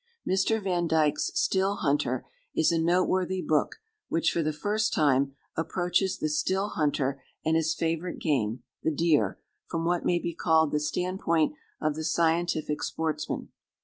Mr. Van Dyke's "Still Hunter" is a noteworthy book which, for the first time, approaches the still hunter and his favorite game, the deer, from what may be called the standpoint of the scientific sportsman.